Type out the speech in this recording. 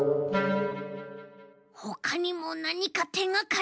ほかにもなにかてがかりがあるはず。